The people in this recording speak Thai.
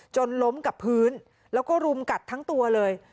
ล้มกับพื้นแล้วก็รุมกัดทั้งตัวเลย